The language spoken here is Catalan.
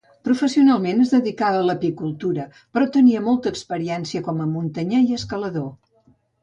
Professionalment es dedicava a l'apicultura, però tenia molta experiència com a muntanyer i escalador.